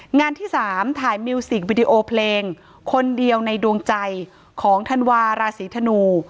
งานที่๓ถ่ายมิวสิกวิดีโอเพลงคนเดียวในดวงใจของธันวาราศีธนู